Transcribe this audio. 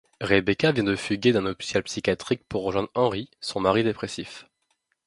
Rebecca vient de fuguer d'un hôpital psychiatrique pour rejoindre Henry, son mari dépressif.